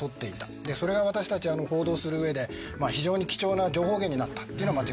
でそれが私たち報道する上で非常に貴重な情報源になったっていうのは間違いない。